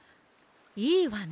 いいわね。